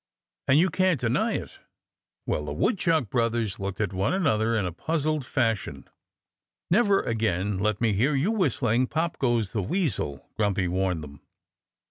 And you can't deny it." Well, the Woodchuck brothers looked at one another in a puzzled fashion. "Never again let me hear you whistling, 'Pop! Goes the Weasel,'" Grumpy warned them.